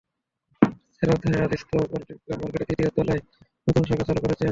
চেঞ্জরাজধানীর Aziz cooperative super মার্কেটের তৃতীয় তলায় নতুন শাখা চালু করেছে চেঞ্জ।